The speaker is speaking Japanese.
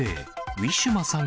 ウィシュマさん